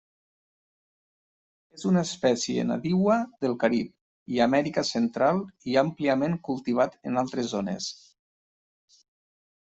És una espècie nadiua del Carib i Amèrica central i àmpliament cultivat en altres zones.